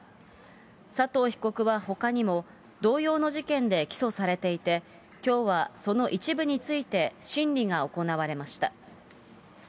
佐藤被告はほかにも、同様の事件で起訴されていて、きょうはその一部について審理が行われました。